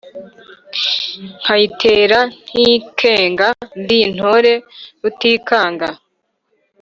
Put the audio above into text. Nkayitera ntikenga, ndi intore Rutikanga